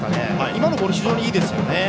今のボールは非常にいいですよね。